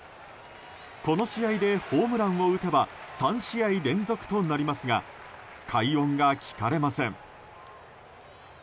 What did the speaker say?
この試合でホームランを打てば３試合連続となりますが快音が聞かれません。